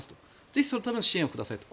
ぜひそのための支援をくださいと。